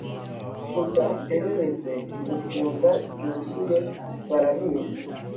uzapererezengukunda byuzuye barabizi